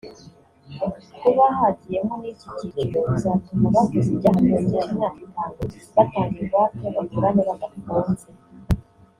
Kuba hagiyemo n’iki cyiciro bizatuma abakoze ibyaha birengeje imyaka itanu batanga ingwate baburane badafunze